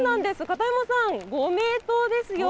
片山さん、ご名答ですよ。